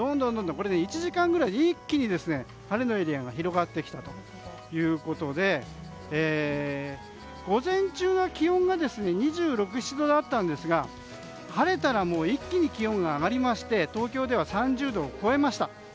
１時間くらい一気に晴れのエリアが広がってきたということで午前中は気温が２６２７度あったんですが晴れたら一気に気温が上がりまして東京では３０度を超えました。